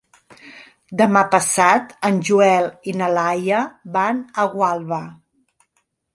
Demà passat en Joel i na Laia van a Gualba.